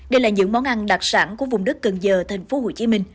đây là những món ăn đặc sản của vùng đất cần giờ tp hcm